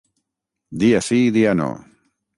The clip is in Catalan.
Dia sí, dia no.